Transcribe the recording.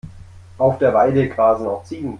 Auf der Weide grasen auch Ziegen.